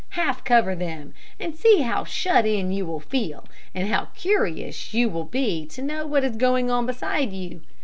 Half cover them, and see how shut in you will feel; and how curious you will be to know what is going on beside you.